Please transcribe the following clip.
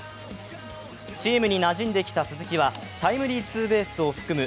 チームになじんできた鈴木はタイムリーツーベースを含む